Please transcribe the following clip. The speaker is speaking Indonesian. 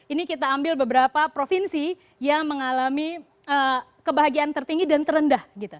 ini kita ambil beberapa provinsi yang mengalami kebahagiaan tertinggi dan terendah gitu